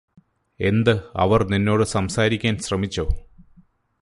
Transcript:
എന്ത് അവർ നിന്നോട് സംസാരിക്കാൻ ശ്രമിച്ചോ